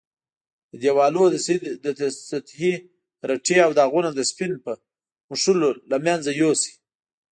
د دېوالونو د سطحې رټې او داغونه د سپین په مښلو له منځه یوسئ.